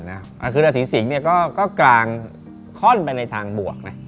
นะครับอาคารสีสิงห์ก็กลางข้อนไปเลยในทางบวก